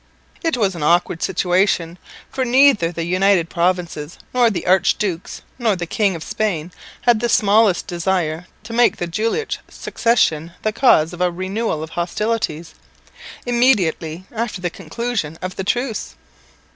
It was an awkward situation, for neither the United Provinces nor the archdukes nor the King of Spain had the smallest desire to make the Jülich succession the cause of a renewal of hostilities, immediately after the conclusion of the truce.